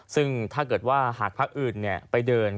ซึ่งถ้าเกิดว่าหากพักอื่นไปเดิน